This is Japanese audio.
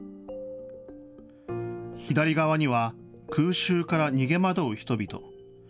左側には空襲から逃げ惑う人々。